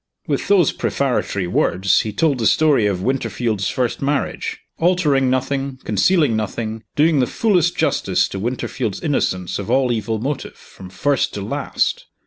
With those prefatory words, he told the story of Winterfield's first marriage; altering nothing; concealing nothing; doing the fullest justice to Winterfield's innocence of all evil motive, from first to last.